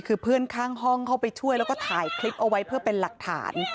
คือเพื่อนข้างห้องเข้าไปช่วยแล้วก็ถ่ายคลิปเอาไว้เพื่อเป็นหลักฐาน